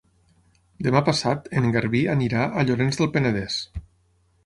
Demà passat en Garbí anirà a Llorenç del Penedès.